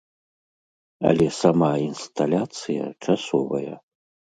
Але сама інсталяцыя часовая.